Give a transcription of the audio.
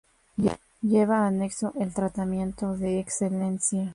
Lleva anexo el tratamiento de "Excelencia".